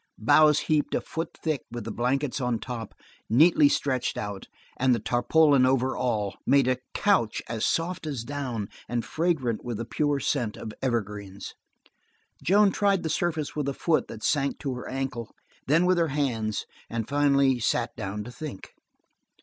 Boughs heaped a foot thick with the blankets on top, neatly stretched out, and the tarpaulin over all, made a couch as soft as down and fragrant with the pure scent of evergreens. Joan tried the surface with a foot that sank to her ankle, then with her hands, and finally sat down to think.